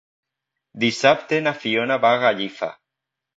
Dissabte na Fiona va a Gallifa.